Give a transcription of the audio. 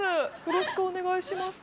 よろしくお願いします。